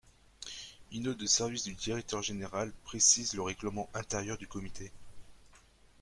Une note de service du Directeur général précise le règlement intérieur du comité.